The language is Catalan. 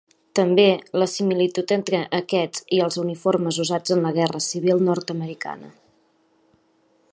També la similitud entre aquests i els uniformes usats en la Guerra civil nord-americana.